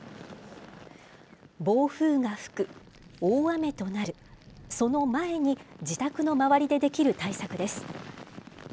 暴風が吹く、大雨となる、その前に、自宅の周りでできる対策です。